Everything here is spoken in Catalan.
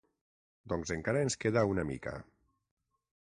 Doncs encara ens queda una mica.